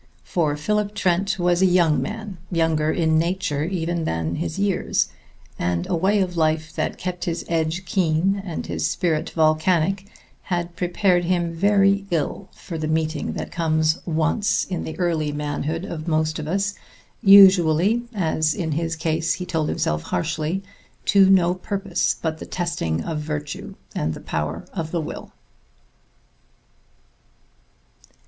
For Philip Trent was a young man, younger in nature even than his years, and a way of life that kept his edge keen and his spirit volcanic had prepared him very ill for the meeting that comes once in the early manhood of most of us, usually as in his case, he told himself harshly to no purpose but the testing of virtue and the power of the will.